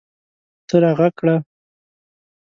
ته راږغ کړه